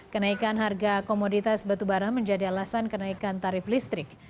kenaikan harga komoditas batubara menjadi alasan kenaikan tarif listrik